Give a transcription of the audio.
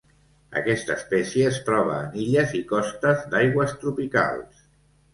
Aquesta espècie es troba en illes i costes d'aigües tropicals.